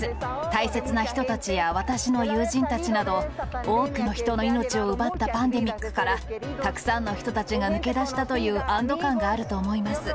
大切な人たちや私の友人たちなど、多くの人の命を奪ったパンデミックから、たくさんの人たちが抜けだしたという安ど感があると思います。